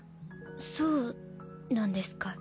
そうなんですか。